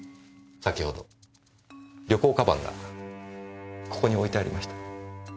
先ほど旅行鞄がここに置いてありました。